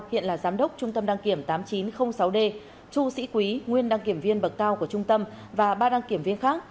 hiện là giám đốc trung tâm đăng kiểm tám nghìn chín trăm linh sáu d chu sĩ quý nguyên đăng kiểm viên bậc cao của trung tâm và ba đăng kiểm viên khác